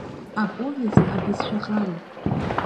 Аповест абызшәа ӷаруп.